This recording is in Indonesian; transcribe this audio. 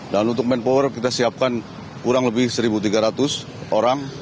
dan untuk main power kita siapkan kurang lebih seribu tiga ratus orang